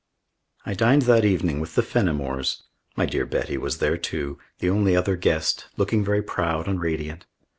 I dined that evening with the Fenimores. My dear Betty was there too, the only other guest, looking very proud and radiant.